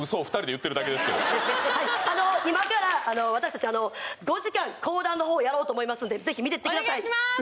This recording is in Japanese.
はいあの今から私たち５時間講談のほうやろうと思いますんでぜひ見てってくださいお願いします！